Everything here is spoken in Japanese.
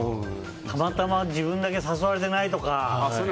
たまたま自分だけ誘われていないとか。